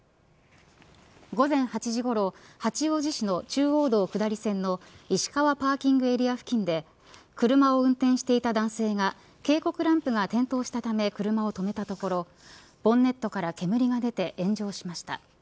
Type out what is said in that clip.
午前８時ごろ八王子市の中央道下り線の石川パーキングエリア付近で車を運転していた男性が警告ランプが点灯したため車を止めたところボンネットから煙が出て炎上しました。